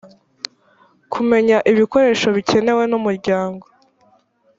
kumenya ibikoresho bikenewe n umuryango